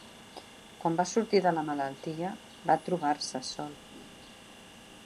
Quan va sortir de la malaltia, va trobar-se sol